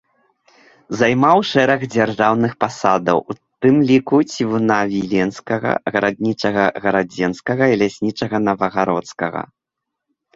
Займаў шэраг дзяржаўных пасадаў, у тым ліку цівуна віленскага, гараднічага гарадзенскага і ляснічага новагародскага.